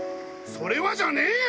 「それは」じゃねえよ‼